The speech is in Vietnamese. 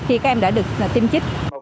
khi các em đã được tiêm chích